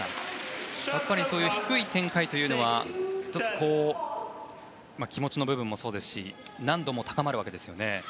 やっぱり低い展開というのは１つ、気持ちの部分もそうですし難度も高まるわけですよね。